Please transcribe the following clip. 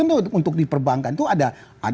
untuk diperbankan itu ada